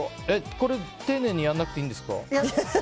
これ、丁寧にやらなくていいんですか？